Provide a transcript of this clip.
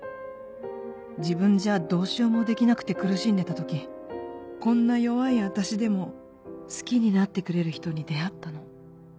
自分じゃどうしようもできなくて苦しんでた時こんな弱いあたしでも好きになってくれる人に出会ったの。